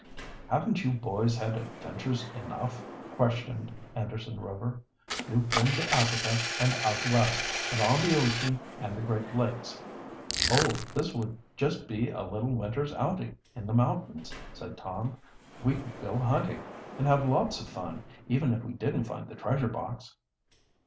"Haven't you boys had adventures enough?" questioned Anderson Rover. "You've been to Africa and out West, and on the ocean and the Great Lakes " "Oh, this would just be a little winter's outing in the mountains," said Tom. "We could go hunting, and have lots of fun, even if we didn't find the treasure box."